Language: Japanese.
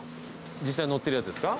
実際乗ってるやつですか？